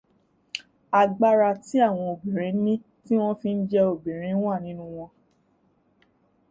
Agbára tí àwọn obìnrin ní tí wọ́n fi ń jẹ́ obìnrin wà nínú wọn